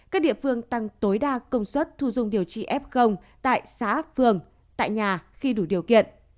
các địa phương tăng tối đa công suất thu dung điều trị f tại xã phường tại nhà khi đủ điều kiện